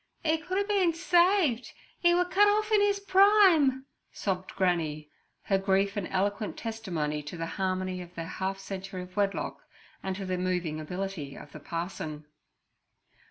"E could a bin saved! 'E were cut off in his prime!' sobbed Granny, her grief an eloquent testimony to the harmony of their half century of wedlock and to the moving ability of the parson.